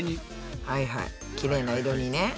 はいはいキレイな色にね。